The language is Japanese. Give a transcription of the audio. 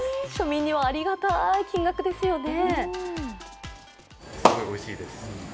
庶民にはありがたい金額ですよね。